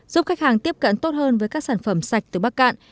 giúp khách hàng tiếp cận tốt hơn với các sản phẩm sạch từ bắc cạn